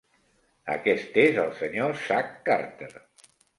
Aquest és el senyor Zach Carter.